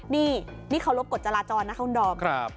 นี่นี่เคารพกฎจราจรนะคุณดอม